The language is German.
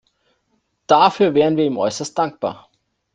Dafür wären wir ihm äußerst dankbar.